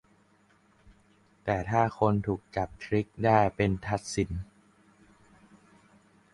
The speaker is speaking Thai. แต่ถ้าคนถูกจับทริกได้เป็นทักษิณ